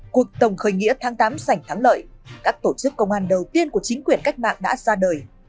cuộc tổng khởi nghĩa tháng tám sảnh thắng lợi các tổ chức công an đầu tiên của chính quyền cách mạng đã ra đời